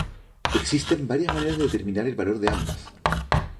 Existen varias maneras de determinar el valor de ambas.